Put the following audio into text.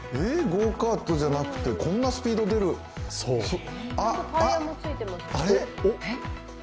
ゴーカートじゃなくて、こんなスピード出るあ、あ、あれっ？